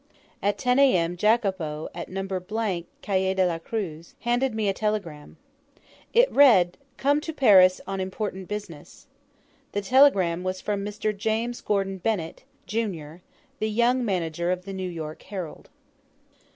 At 10 A.M. Jacopo, at No. Calle de la Cruz, handed me a telegram: It read, "Come to Paris on important business." The telegram was from Mr. James Gordon Bennett, jun., the young manager of the 'New York Herald.'